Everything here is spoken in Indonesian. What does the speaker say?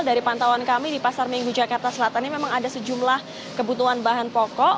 dari pantauan kami di pasar minggu jakarta selatan ini memang ada sejumlah kebutuhan bahan pokok